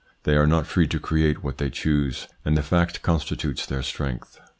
They are not free to create what they choose, and the fact constitutes their strength.